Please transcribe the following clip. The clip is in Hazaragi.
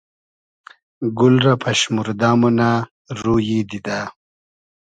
گول رۂ پئشموردۂ مونۂ رویی دیدۂ